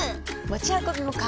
持ち運びも簡単！